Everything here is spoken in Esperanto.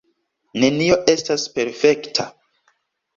Nenio estas perfekta.